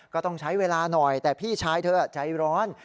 ก็ต้องใช้เวลาหน่อยแต่พี่ชายเธอใจร้อน